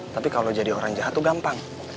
tapi kalau jadi orang jahat tuh gampang